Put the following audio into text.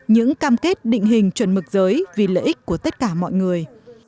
những cam kết định hình chuẩn mực giới vì lợi ích của tất cả mọi người